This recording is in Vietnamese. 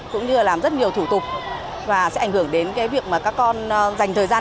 cũng như là làm rất nhiều thủ tục và sẽ ảnh hưởng đến cái việc mà các con dành thời gian